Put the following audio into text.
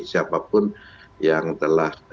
jadi siapapun yang telah